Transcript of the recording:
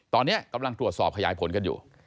ตอนนี้กำลังตรวจสอบขยายผลกันอยู่